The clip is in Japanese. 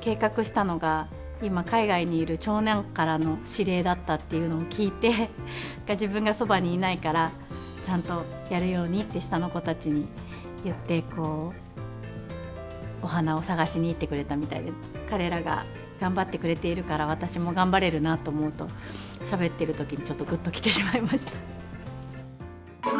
計画したのが、今海外にいる長男からの指令だったっていうのを聞いて、自分がそばにいないから、ちゃんとやるようにって下の子たちに言って、お花を探しに行ってくれたみたいで、彼らが頑張ってくれているから、私も頑張れるなと思うと、しゃべってるときにちょっとぐっと来てしまいました。